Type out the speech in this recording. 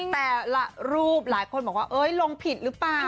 แต่ละรูปหลายคนบอกว่าลงผิดหรือเปล่า